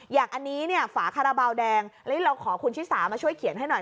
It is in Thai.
อย่างอันนี้เนี่ยฝาคาราบาลแดงเราขอคุณชิสามาช่วยเขียนให้หน่อย